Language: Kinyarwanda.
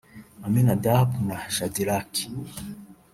Aminadab na Shadirake